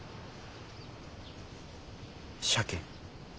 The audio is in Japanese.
鮭。